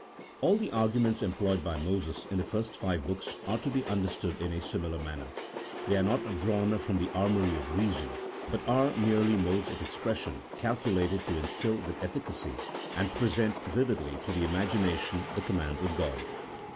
All the arguments employed by Moses in the five books are to be understood in a similar manner; they are not drawn from the armoury of reason, but are merely modes of expression calculated to instil with efficacy, and present vividly to the imagination the commands of God.